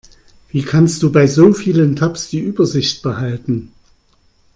Wie kannst du bei so vielen Tabs die Übersicht behalten?